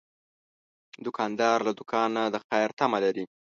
دوکاندار له دوکان نه د خیر تمه لري.